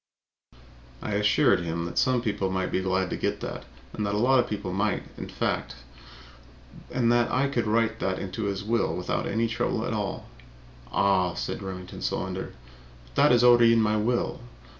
I assured him that some people might be glad to get that that a lot of people might, in fact, and that I could write that into his will without any trouble at all. "Ah!" said Remington Solander. "But that is already in my will.